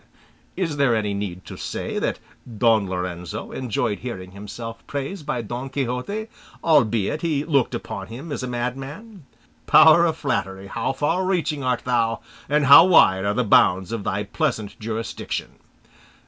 Is there any need to say that Don Lorenzo enjoyed hearing himself praised by Don Quixote, albeit he looked upon him as a madman? power of flattery, how far reaching art thou, and how wide are the bounds of thy pleasant jurisdiction!